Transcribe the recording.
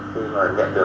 thì nhận được